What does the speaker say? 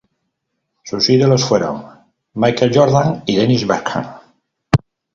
Sus ídolos fueron Michael Jordan y Dennis Bergkamp.